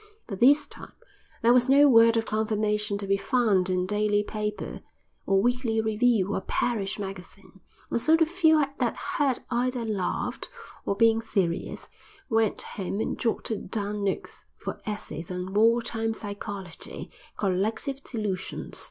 But this time there was no word of confirmation to be found in daily paper, or weekly review, or parish magazine, and so the few that heard either laughed, or, being serious, went home and jotted down notes for essays on "War time Psychology: Collective Delusions."